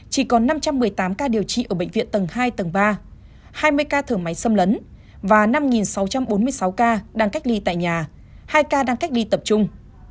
chỉ còn năm trăm một mươi tám ca điều trị ở bệnh viện tầng hai tầng ba hai mươi ca thở máy xâm lấn và năm sáu trăm bốn mươi sáu ca đang cách ly tại nhà hai ca đang cách ly tập trung